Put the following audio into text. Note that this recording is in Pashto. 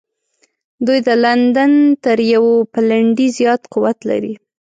دوی د لندن تر یوه پلنډي زیات قوت لري.